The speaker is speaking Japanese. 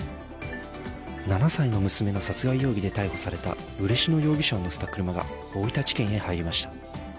７歳の娘の殺害容疑で逮捕された嬉野陽子容疑者を乗せた車が大分地検へ入りました。